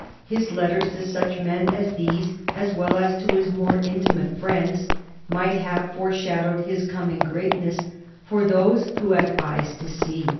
His letters to such men as these, as well as to his more intimate friends, might have foreshadowed his coming greatness for those who had eyes to see.